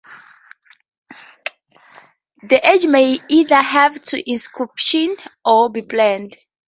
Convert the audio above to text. The edge may either have the inscription or be plain.